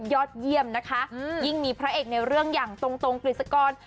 ยอดเยี่ยมนะคะยิ่งมีพระเอกในเรื่องอย่างตรงกฤษกร